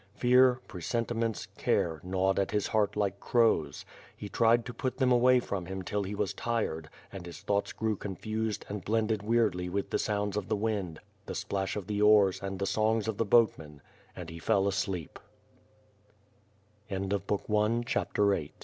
Fear, presentiments, care gnawed his heart like crows. He tried to put them away from him till he was tired, and his thoughts grew confused and blended weirdly with the sounds of the wind, the splash of the oars and the songs of the boatmen, and he fell asleep.